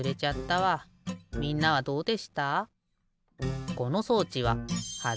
みんなはどうでした？